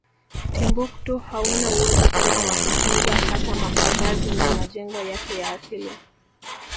Timbuktu hauna uwezo tena wakutunza hata makavazi na majengo yake ya asili